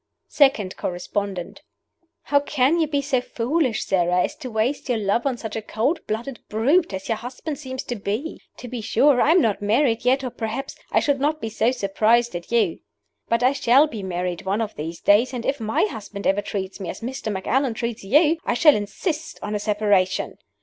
SECOND CORRESPONDENT: "How can you be so foolish, Sara, as to waste your love on such a cold blooded brute as your husband seems to be? To be sure, I am not married yet, or perhaps I should not be so surprised at you. But I shall be married one of these days, and if my husband ever treat me as Mr. Macallan treats you, I shall insist on a separation.